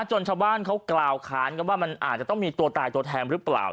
จนชาวบ้านเขากล่าวค้านกันว่ามันอาจจะต้องมีตัวตายตัวแทนหรือเปล่า